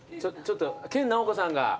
研ナオコさんが。